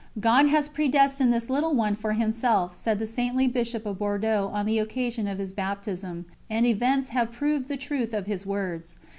"God has predestined this little one for Himself," said the saintly Bishop of Bordeaux on the occasion of his baptism, and events have proved the truth of his words.